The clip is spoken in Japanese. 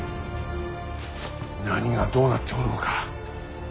何がどうなっておるのか。